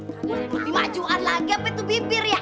kaya putih majuan lagi apet tuh bibir ya